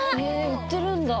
売ってるんだ。